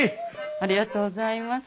ありがとうございます。